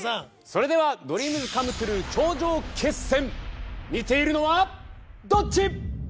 それではＤＲＥＡＭＳＣＯＭＥＴＲＵＥ頂上決戦似ているのはどっち？